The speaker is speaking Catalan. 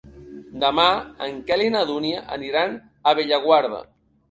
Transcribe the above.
Demà en Quel i na Dúnia aniran a Bellaguarda.